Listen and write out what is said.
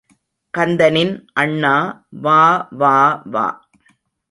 கந்தனின் அண்ணா, வா வா வா.